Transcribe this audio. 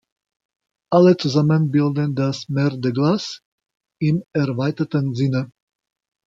Alle zusammen bilden das Mer de Glace im erweiterten Sinne.